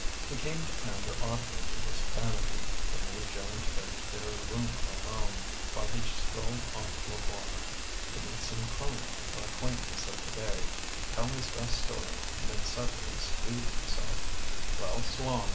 He came to pander oddly to this vanity would leave Joan to go to their room alone, while he strolled off to a bar to meet some crony or acquaintance of the day, tell his best story, and then suddenly excuse himself: "Well, s'long.